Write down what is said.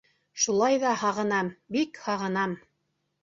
Шулай ҙа һағынам, бик һағынам...